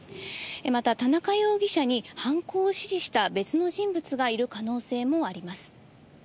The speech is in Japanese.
また田中容疑者に犯行を指示した別の人物がいる可能性もあります。